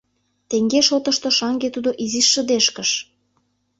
Теҥге шотышто шаҥге тудо изиш шыдешкыш.